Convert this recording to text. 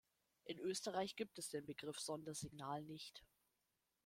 In Österreich gibt es den Begriff "Sondersignal" nicht.